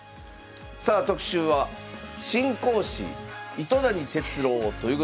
さあ特集は「新講師・糸谷哲郎」ということで。